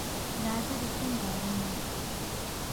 ګازرې څنګه رنګ اخلي؟